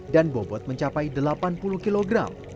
dan bobot mencapai delapan puluh kg